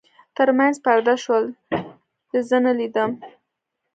تر منځ پرده شول، ده زه نه لیدم.